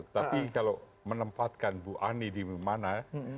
tapi kalau menempatkan bu ani di mana